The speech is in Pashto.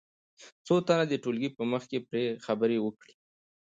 څو تنه دې د ټولګي په مخ کې پرې خبرې وکړي.